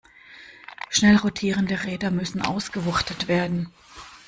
Schnell rotierende Räder müssen ausgewuchtet werden.